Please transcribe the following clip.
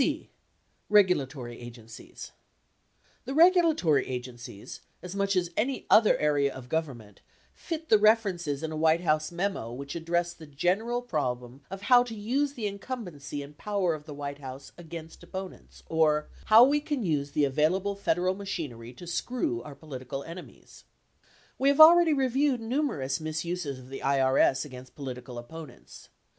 C. Regulatory Agencies The regulatory agencies, as much as any other area of Government, fit the references in a White House memo which addressed the gen eral problem of how to use the incumbency and power of the White House against opponents, or "how we can use the available Federal machinery to screw our political enemies." 74 We have already reviewed numerous misuses of the IRS against political opponents.